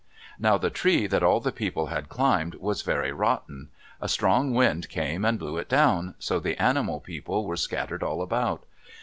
Now the tree that all the people had climbed was very rotten. A strong wind came and blew it down, so the animal people were scattered all about.